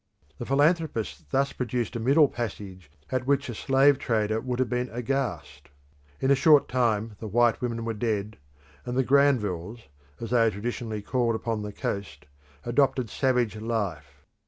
The philanthropists thus produced a middle passage at which a slave trader would have been aghast. In a short time the white women were dead, and the Granvilles, as they are traditionally called upon the coast, adopted savage life.